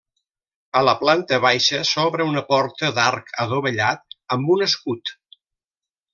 A la planta baixa s'obre una porta d'arc adovellat amb un escut.